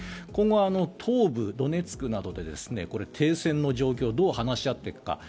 今後、東部ドネツクなどで停戦の状況をどう話し合っていくか。